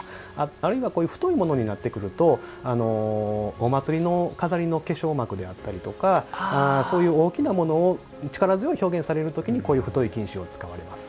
あるいは太いものになってくるとお祭りの飾りの化粧幕であったりとかそういう大きなものを力強い表現をされる時にこういう太い金糸を使われます。